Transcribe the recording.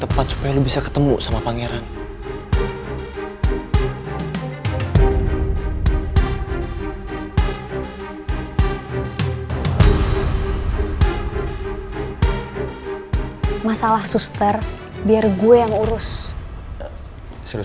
tepat supaya bisa ketemu sama pangeran masalah suster biar gue yang urus serius